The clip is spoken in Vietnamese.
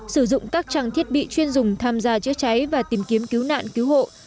sử dụng các trang thiết bị chuyên dùng tham gia chữa cháy và tìm kiếm cứu nạn cứu hộ